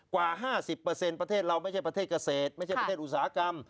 กว่า๕๐ประเทศเราไม่ใช่ประเทศเกษตรไม่ใช่ประเทศอุตสาหกรรม